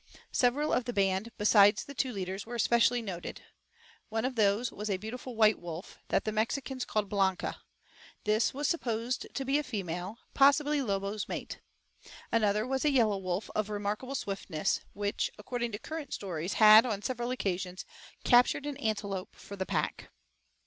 Several of the band, besides the two leaders, were especially noted. One of those was a beautiful white wolf, that the Mexicans called Blanca; this was supposed to be a female, possibly Lobo's mate. Another was a yellow wolf of remarkable swiftness, which, according to current stories had, on several occasions, captured an antelope for the pack.